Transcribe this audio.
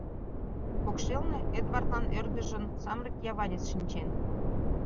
Покшелне, Эдвардлан ӧрдыжын, самырык яванец шинчен.